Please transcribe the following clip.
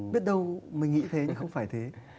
biết đâu mình nghĩ thế nhưng không phải thế